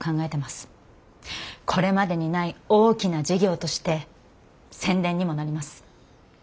これまでにない大きな事業として宣伝にもなります。